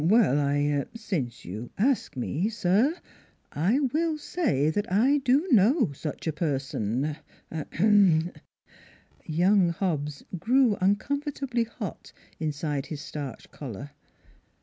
" I er since you ask me, sir, I will say that I do know such a person. A er " Young Hobbs grew uncomfortably hot inside his starched collar.